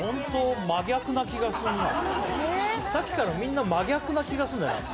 さっきからみんな真逆な気がするんだよな。